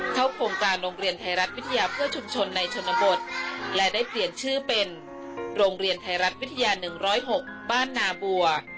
โครงการโรงเรียนไทยรัฐวิทยาเพื่อชุมชนในชนบทและได้เปลี่ยนชื่อเป็นโรงเรียนไทยรัฐวิทยา๑๐๖บ้านนาบัว